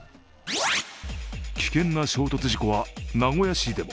危険な衝突事故は名古屋市でも。